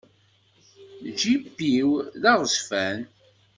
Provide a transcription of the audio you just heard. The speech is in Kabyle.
Jip-iw d aɣezfan.